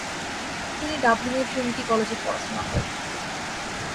তিনি ডাবলিনের ট্রিনিটি কলেজে পড়াশোনা করেন।